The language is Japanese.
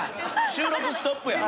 収録ストップや。